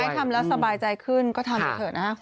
ทำแล้วสบายใจขึ้นก็ทำไปเถอะนะครับ